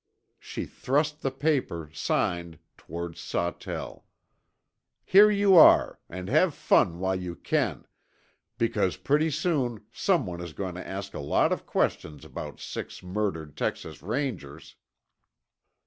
She thrust the paper, signed, toward Sawtell. "Here you are, and have fun while you can, because pretty soon someone is going to ask a lot of questions about six murdered Texas Rangers."